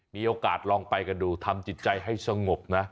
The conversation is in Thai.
มีโอกาสลองไปกันดูทำจิตใจให้สงบนะ